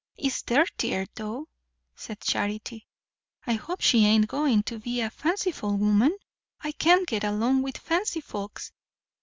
"It's dirtier, though," said Charity. "I hope she ain't going to be a fanciful woman. I can't get along with fancy folks.